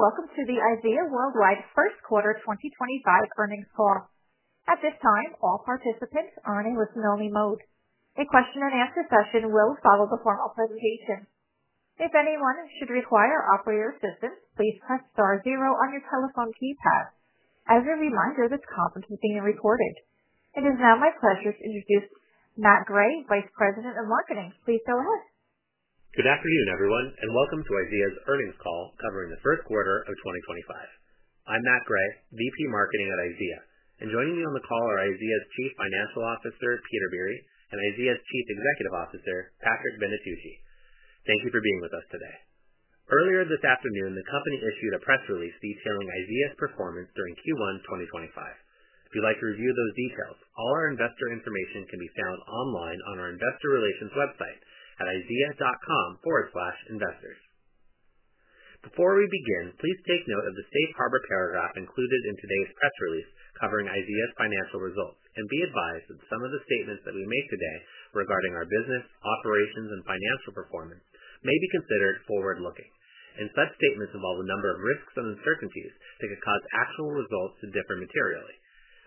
Welcome to the IZEA Worldwide First Quarter 2025 earnings call. At this time, all participants are in a listen-only mode. A question-and-answer session will follow the formal presentation. If anyone should require operator assistance, please press star zero on your telephone keypad. As a reminder, this conference is being recorded. It is now my pleasure to introduce Matt Gray, Vice President of Marketing. Please go ahead. Good afternoon, everyone, and welcome to IZEA's earnings call covering the first quarter of 2025. I'm Matt Gray, VP Marketing at IZEA, and joining me on the call are IZEA's Chief Financial Officer, Peter Biere, and IZEA's Chief Executive Officer, Patrick Venetucci. Thank you for being with us today. Earlier this afternoon, the company issued a press release detailing IZEA's performance during Q1 2025. If you'd like to review those details, all our investor information can be found online on our investor relations website at izea.com/investors. Before we begin, please take note of the safe harbor paragraph included in today's press release covering IZEA's financial results, and be advised that some of the statements that we make today regarding our business, operations, and financial performance may be considered forward-looking. Such statements involve a number of risks and uncertainties that could cause actual results to differ materially.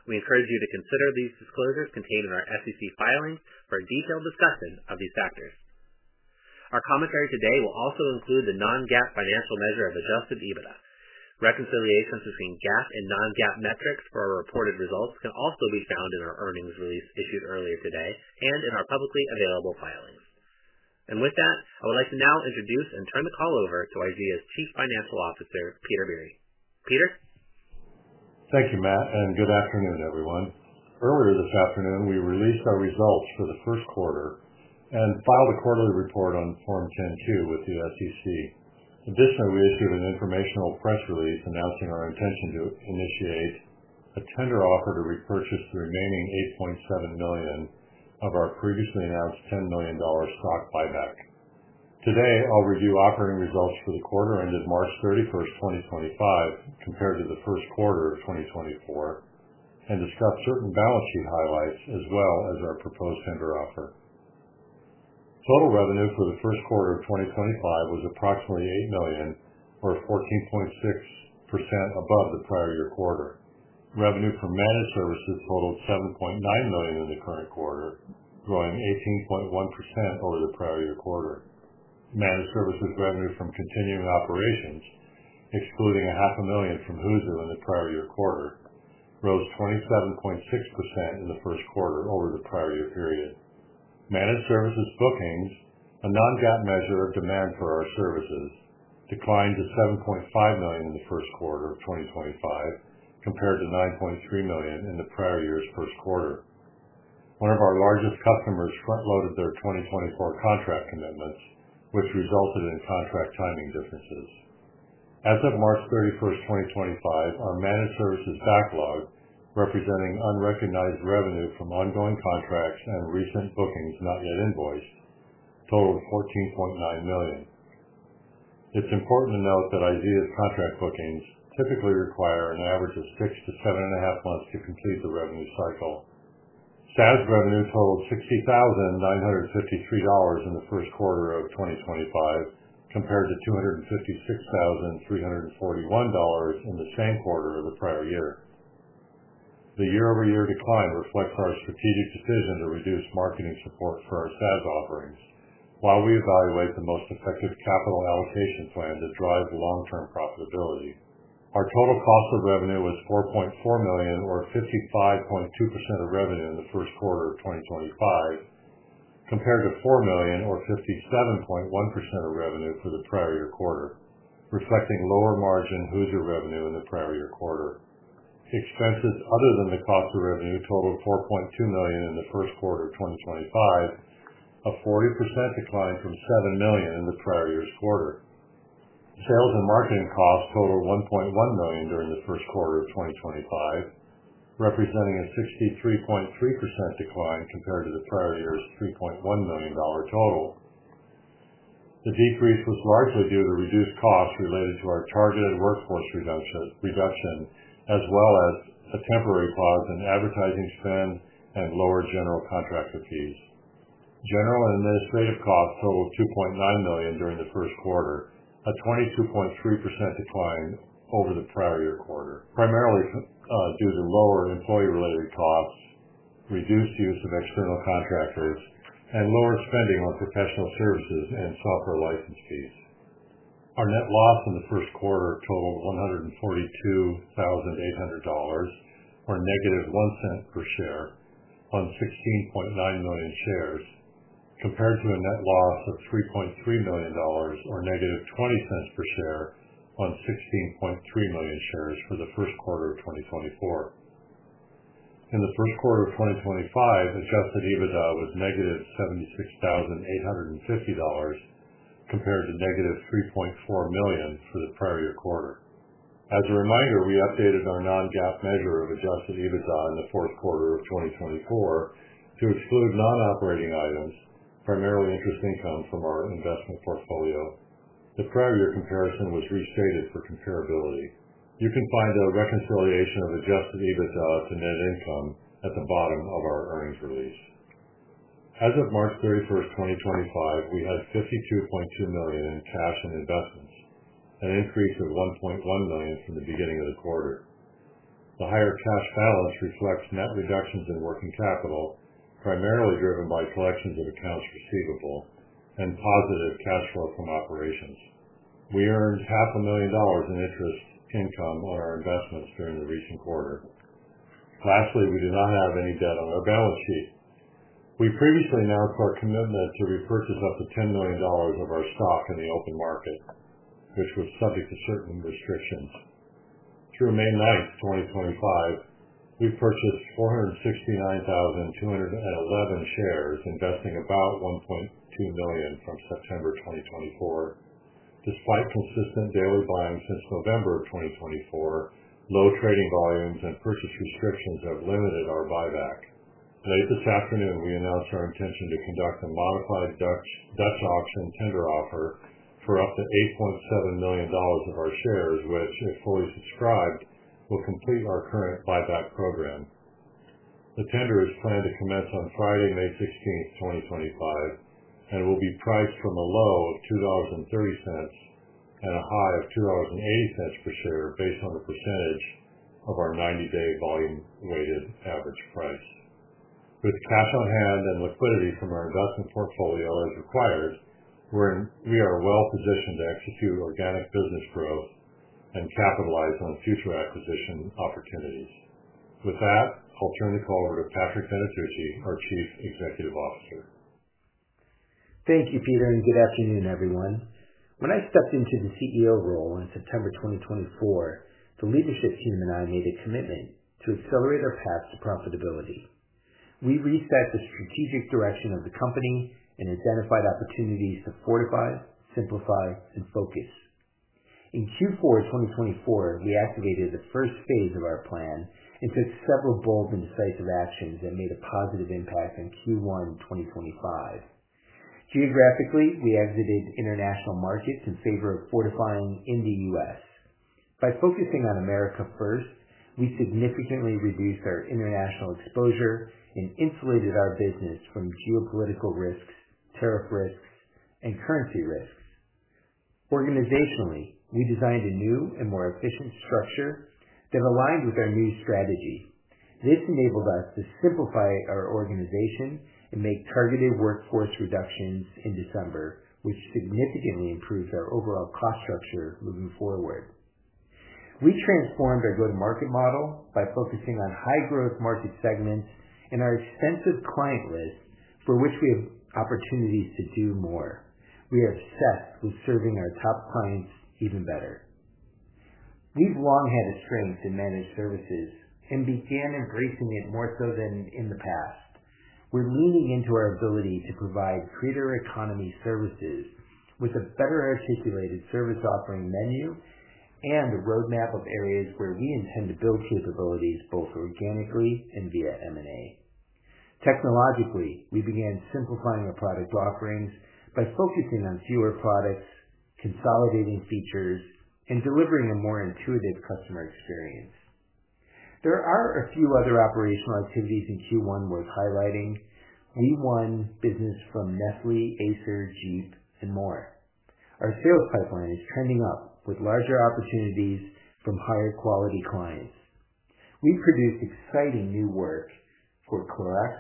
We encourage you to consider these disclosures contained in our SEC filings for a detailed discussion of these factors. Our commentary today will also include the non-GAAP financial measure of adjusted EBITDA. Reconciliations between GAAP and non-GAAP metrics for our reported results can also be found in our earnings release issued earlier today and in our publicly available filings. With that, I would like to now introduce and turn the call over to IZEA's Chief Financial Officer, Peter Biere. Peter? Thank you, Matt, and good afternoon, everyone. Earlier this afternoon, we released our results for the first quarter and filed a quarterly report on Form 10-Q with the SEC. Additionally, we issued an informational press release announcing our intention to initiate a tender offer to repurchase the remaining $8.7 million of our previously announced $10 million stock buyback. Today, I'll review operating results for the quarter ended March 31st, 2025, compared to the first quarter of 2024, and discuss certain balance sheet highlights as well as our proposed tender offer. Total revenue for the first quarter of 2025 was approximately $8 million, or 14.6% above the prior year quarter. Revenue from Managed Services totaled $7.9 million in the current quarter, growing 18.1% over the prior year quarter. Managed services revenue from continuing operations, excluding $500,000 from Hoozu in the prior year quarter, rose 27.6% in the first quarter over the prior year period. Managed services bookings, a non-GAAP measure of demand for our services, declined to $7.5 million in the first quarter of 2025, compared to $9.3 million in the prior year's first quarter. One of our largest customers front-loaded their 2024 contract commitments, which resulted in contract timing differences. As of March 31st, 2025, our managed services backlog, representing unrecognized revenue from ongoing contracts and recent bookings not yet invoiced, totaled $14.9 million. It's important to note that IZEA's contract bookings typically require an average of six to seven and a half months to complete the revenue cycle. SaaS revenue totaled $60,953 in the first quarter of 2025, compared to $256,341 in the same quarter of the prior year. The year-over-year decline reflects our strategic decision to reduce marketing support for our SaaS offerings, while we evaluate the most effective capital allocation plan to drive long-term profitability. Our total cost of revenue was $4.4 million, or 55.2% of revenue in the first quarter of 2025, compared to $4 million, or 57.1% of revenue for the prior year quarter, reflecting lower margin Hoozu revenue in the prior year quarter. Expenses other than the cost of revenue totaled $4.2 million in the first quarter of 2025, a 40% decline from $7 million in the prior year's quarter. Sales and marketing costs totaled $1.1 million during the first quarter of 2025, representing a 63.3% decline compared to the prior year's $3.1 million total. The decrease was largely due to reduced costs related to our targeted workforce reduction, as well as a temporary pause in advertising spend and lower general contractor fees. General and administrative costs totaled $2.9 million during the first quarter, a 22.3% decline over the prior year quarter, primarily due to lower employee-related costs, reduced use of external contractors, and lower spending on professional services and software license fees. Our net loss in the first quarter totaled $142,800, or negative $0.01 per share on 16.9 million shares, compared to a net loss of $3.3 million, or negative $0.20 per share on 16.3 million shares for the first quarter of 2024. In the first quarter of 2025, adjusted EBITDA was negative $76,850, compared to negative $3.4 million for the prior year quarter. As a reminder, we updated our non-GAAP measure of adjusted EBITDA in the fourth quarter of 2024 to exclude non-operating items, primarily interest income from our investment portfolio. The prior year comparison was restated for comparability. You can find a reconciliation of adjusted EBITDA to net income at the bottom of our earnings release. As of March 31st, 2025, we had $52.2 million in cash and investments, an increase of $1.1 million from the beginning of the quarter. The higher cash balance reflects net reductions in working capital, primarily driven by collections of accounts receivable and positive cash flow from operations. We earned $500,000 in interest income on our investments during the recent quarter. Lastly, we do not have any debt on our balance sheet. We previously announced our commitment to repurchase up to $10 million of our stock in the open market, which was subject to certain restrictions. Through May 9th, 2025, we purchased 469,211 shares, investing about $1.2 million from September 2024. Despite consistent daily buying since November 2024, low trading volumes and purchase restrictions have limited our buyback. Late this afternoon, we announced our intention to conduct a modified Dutch auction tender offer for up to $8.7 million of our shares, which, if fully subscribed, will complete our current buyback program. The tender is planned to commence on Friday, May 16th, 2025, and will be priced from a low of $2.30 and a high of $2.80 per share based on the percentage of our 90-day volume-weighted average price. With cash on hand and liquidity from our investment portfolio as required, we are well-positioned to execute organic business growth and capitalize on future acquisition opportunities. With that, I'll turn the call over to Patrick Venetucci, our Chief Executive Officer. Thank you, Peter, and good afternoon, everyone. When I stepped into the CEO role in September 2024, the leadership team and I made a commitment to accelerate our path to profitability. We reset the strategic direction of the company and identified opportunities to fortify, simplify, and focus. In Q4 2024, we activated the first phase of our plan and took several bold and decisive actions that made a positive impact on Q1 2025. Geographically, we exited international markets in favor of fortifying in the U.S. By focusing on America first, we significantly reduced our international exposure and insulated our business from geopolitical risks, tariff risks, and currency risks. Organizationally, we designed a new and more efficient structure that aligned with our new strategy. This enabled us to simplify our organization and make targeted workforce reductions in December, which significantly improved our overall cost structure moving forward. We transformed our go-to-market model by focusing on high-growth market segments and our extensive client list, for which we have opportunities to do more. We are obsessed with serving our top clients even better. We've long had a strength in managed services and began embracing it more so than in the past. We're leaning into our ability to provide creator economy services with a better-articulated service offering menu and a roadmap of areas where we intend to build capabilities both organically and via M&A. Technologically, we began simplifying our product offerings by focusing on fewer products, consolidating features, and delivering a more intuitive customer experience. There are a few other operational activities in Q1 worth highlighting. We won business from Nestlé, Acer, Jeep, and more. Our sales pipeline is trending up with larger opportunities from higher-quality clients. We produced exciting new work for Clorox,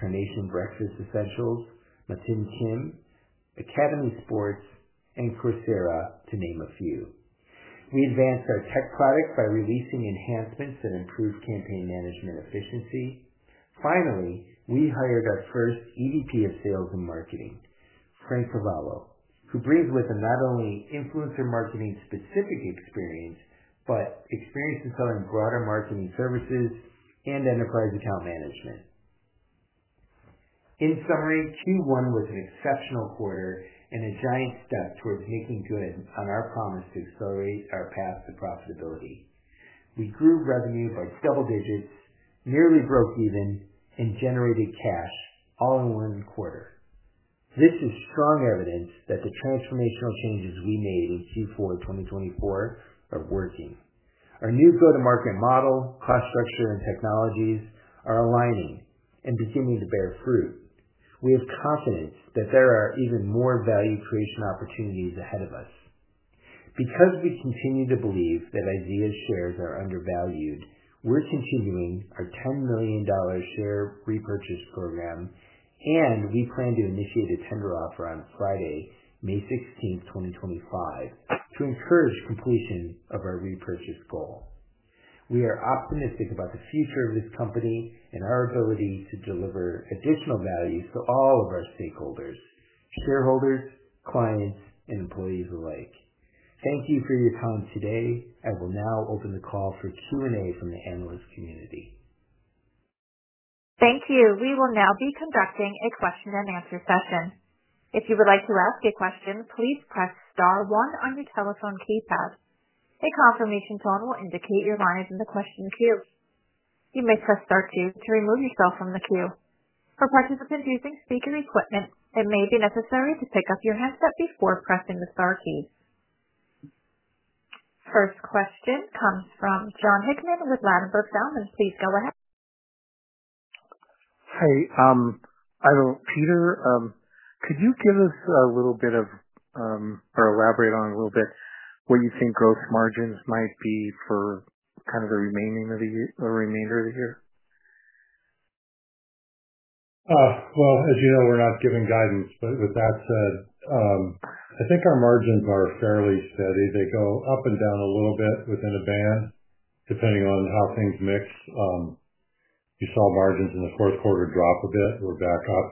Carnation Breakfast Essentials, Matin Kim, Academy Sports, and Coursera, to name a few. We advanced our tech product by releasing enhancements that improved campaign management efficiency. Finally, we hired our first EVP of Sales and Marketing, Frank Carvalho, who brings with him not only influencer marketing-specific experience but experience in selling broader marketing services and enterprise account management. In summary, Q1 was an exceptional quarter and a giant step towards making good on our promise to accelerate our path to profitability. We grew revenue by double digits, nearly broke even, and generated cash all in one quarter. This is strong evidence that the transformational changes we made in Q4 2024 are working. Our new go-to-market model, cost structure, and technologies are aligning and beginning to bear fruit. We have confidence that there are even more value creation opportunities ahead of us. Because we continue to believe that IZEA's shares are undervalued, we're continuing our $10 million share repurchase program, and we plan to initiate a tender offer on Friday, May 16th, 2025, to encourage completion of our repurchase goal. We are optimistic about the future of this company and our ability to deliver additional value to all of our stakeholders, shareholders, clients, and employees alike. Thank you for your time today. I will now open the call for Q&A from the analyst community. Thank you. We will now be conducting a question-and-answer session. If you would like to ask a question, please press star one on your telephone keypad. A confirmation tone will indicate your line is in the question queue. You may press star two to remove yourself from the queue. For participants using speaker equipment, it may be necessary to pick up your handset before pressing the star key. First question comes from Jon Hickman with Ladenburg Thalmann. Please go ahead. Hi, Peter. Could you give us a little bit of or elaborate on a little bit what you think gross margins might be for kind of the remainder of the year? As you know, we're not giving guidance, but with that said, I think our margins are fairly steady. They go up and down a little bit within a band, depending on how things mix. You saw margins in the fourth quarter drop a bit. We're back up.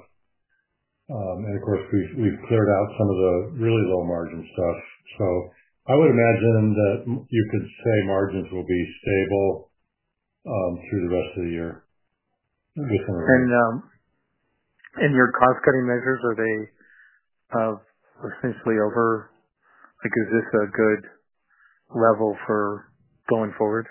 Of course, we've cleared out some of the really low-margin stuff. I would imagine that you could say margins will be stable through the rest of the year within a range. Are your cost-cutting measures essentially over? Is this a good level for going forward?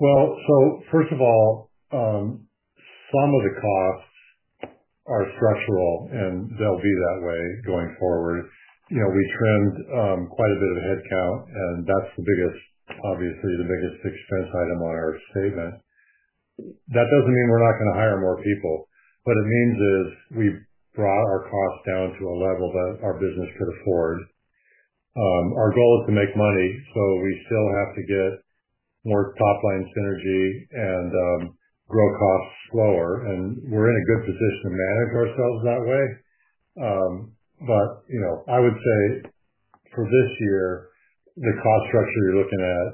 First of all, some of the costs are structural, and they'll be that way going forward. We trend quite a bit of headcount, and that's obviously the biggest expense item on our statement. That doesn't mean we're not going to hire more people, but it means we brought our costs down to a level that our business could afford. Our goal is to make money, so we still have to get more top-line synergy and grow costs slower. We're in a good position to manage ourselves that way. I would say for this year, the cost structure you're looking at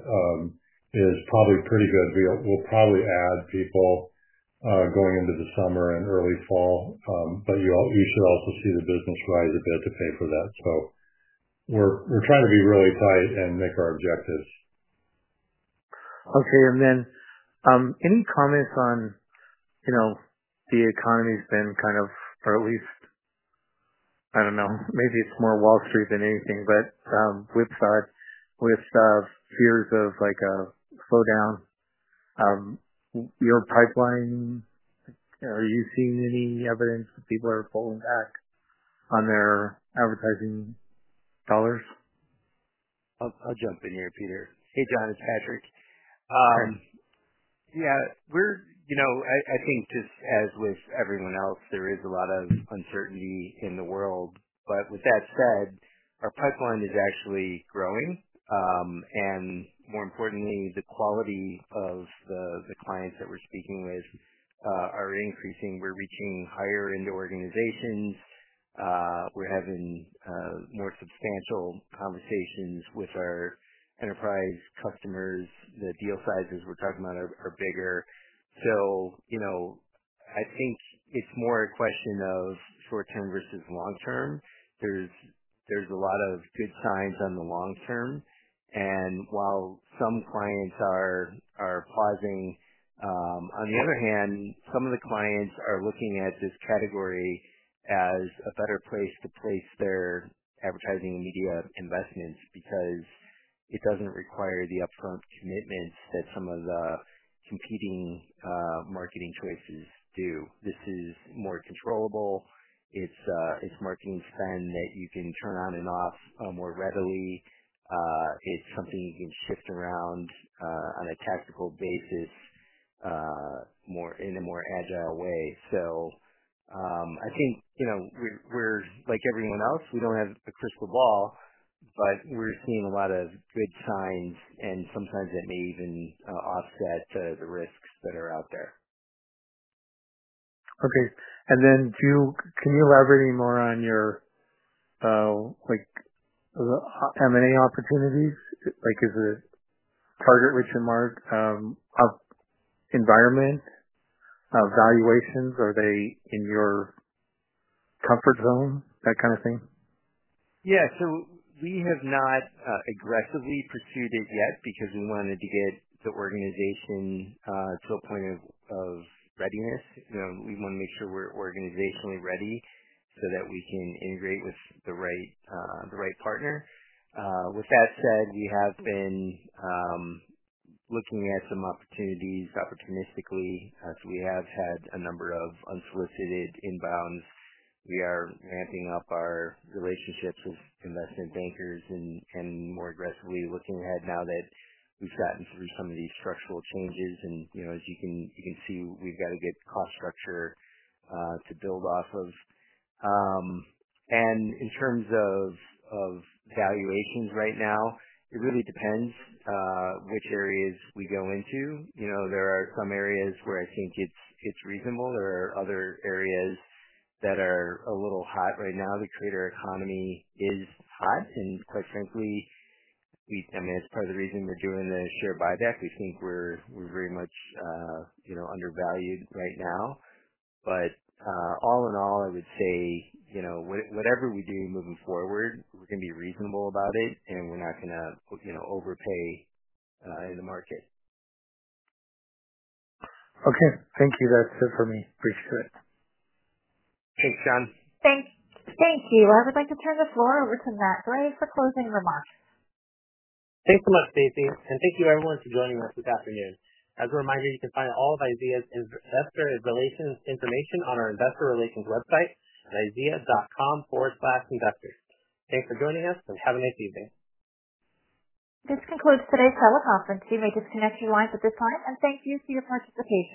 is probably pretty good. We'll probably add people going into the summer and early fall, but you should also see the business rise a bit to pay for that. We're trying to be really tight and make our objectives. Okay. Any comments on the economy's been kind of, or at least, I don't know, maybe it's more Wall Street than anything, but whipsawed with fears of a slowdown? Your pipeline, are you seeing any evidence that people are falling back on their advertising dollars? I'll jump in here, Peter. Hey, Jon, it's Patrick. Hi. Yeah. I think just as with everyone else, there is a lot of uncertainty in the world. With that said, our pipeline is actually growing. More importantly, the quality of the clients that we're speaking with are increasing. We're reaching higher-end organizations. We're having more substantial conversations with our enterprise customers. The deal sizes we're talking about are bigger. I think it's more a question of short-term versus long-term. There are a lot of good signs on the long term. While some clients are pausing, on the other hand, some of the clients are looking at this category as a better place to place their advertising and media investments because it does not require the upfront commitments that some of the competing marketing choices do. This is more controllable. It's marketing spend that you can turn on and off more readily. It's something you can shift around on a tactical basis in a more agile way. I think we're like everyone else. We don't have a crystal ball, but we're seeing a lot of good signs, and sometimes that may even offset the risks that are out there. Okay. Can you elaborate any more on your M&A opportunities? Is it target-rich market environment? Valuations, are they in your comfort zone, that kind of thing? Yeah. We have not aggressively pursued it yet because we wanted to get the organization to a point of readiness. We want to make sure we're organizationally ready so that we can integrate with the right partner. With that said, we have been looking at some opportunities opportunistically. We have had a number of unsolicited inbounds. We are ramping up our relationships with investment bankers and more aggressively looking ahead now that we've gotten through some of these structural changes. As you can see, we've got to get cost structure to build off of. In terms of valuations right now, it really depends which areas we go into. There are some areas where I think it's reasonable. There are other areas that are a little hot right now. The creator economy is hot. Quite frankly, I mean, that's part of the reason we're doing the share buyback. We think we're very much undervalued right now. All in all, I would say whatever we do moving forward, we're going to be reasonable about it, and we're not going to overpay in the market. Okay. Thank you. That's it for me. Appreciate it. Thanks, John. Thank you. I would like to turn the floor over to Matt Gray for closing remarks. Thanks so much, Stacey. Thank you, everyone, for joining us this afternoon. As a reminder, you can find all of IZEA's investor information on our investor relations website at izea.com/investors. Thanks for joining us, and have a nice evening. This concludes today's teleconference. We may disconnect your lines at this time, and thank you for your participation.